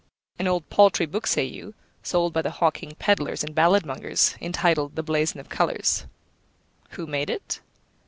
An old paltry book, say you, sold by the hawking pedlars and balladmongers, entitled The Blason of Colours. Who made it?